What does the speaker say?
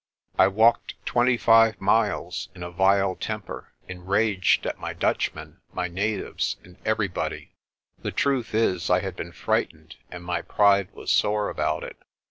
I walked twenty five miles in a vile temper, enraged at my Dutchmen, my natives and everybody. The truth is I had been frightened, and my pride was sore about it.